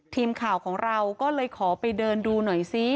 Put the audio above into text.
ทีมข่าวของเราก็เลยขอไปเดินดูหน่อยซิ